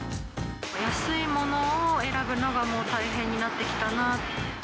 安いものを選ぶのが、もう大変になってきたな。